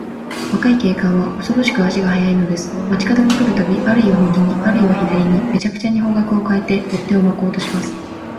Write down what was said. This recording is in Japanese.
若い警官は、おそろしく足が早いのです。町かどに来るたび、あるいは右に、あるいは左に、めちゃくちゃに方角をかえて、追っ手をまこうとします。